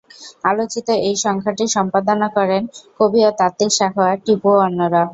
আলোচিত এই সংখ্যাটি সম্পাদনা করেন কবি ও তাত্ত্বিক সাখাওয়াত টিপু ও অন্যরা।